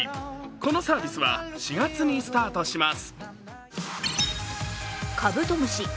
このサービスは４月にスタートします。